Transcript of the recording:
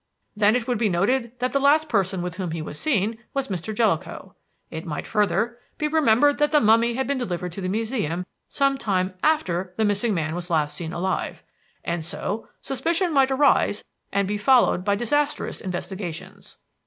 Then it would be noted that the last person with whom he was seen was Mr. Jellicoe. It might, further, be remembered that the mummy had been delivered to the Museum some time after the missing man was last seen alive. And so suspicion might arise and be followed by disastrous investigations.